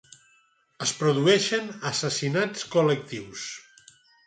Es produeixen assassinats col·lectius.